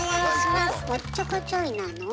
おっちょこちょいなの？